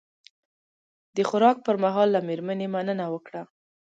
د خوراک پر مهال له میرمنې مننه وکړه.